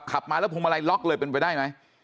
ขับมาแล้วพวงมาลัยล็อกเลยเป็นไปได้ไหม